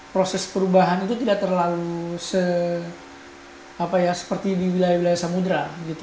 proses perubahan itu tidak terlalu seperti di wilayah wilayah samudera